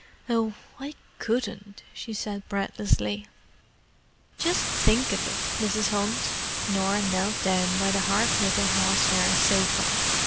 "Oh—I couldn't," she said breathlessly. "Just think of it, Mrs. Hunt!" Norah knelt down by the hard little horsehair sofa.